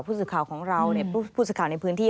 ผู้สื่อข่าวของเราผู้สื่อข่าวในพื้นที่